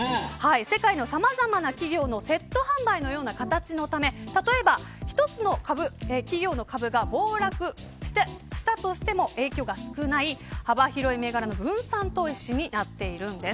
世界のさまざまな企業のセット販売のような形のため例えば１つの株企業の株が暴落し暴落したとしても影響が少ない幅広い銘柄の分散投資になっているんです。